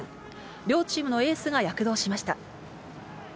両チームのエースが躍動しました。